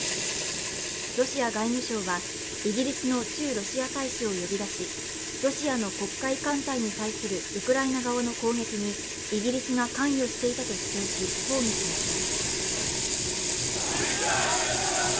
ロシア外務省はイギリスの駐ロシア大使を呼び出し、ロシアの黒海艦隊に対するウクライナ側の攻撃にイギリスが関与していたと主張し抗議しました。